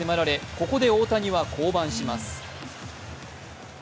ここで大谷は降板します。